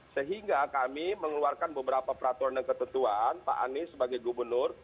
sehingga kami mengeluarkan beberapa peraturan dan ketentuan pak anies sebagai gubernur